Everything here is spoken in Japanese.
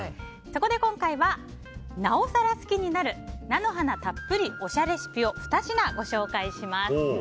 そこで今回はなおさら好きになる菜の花たっぷりおしゃレシピを２品ご紹介します。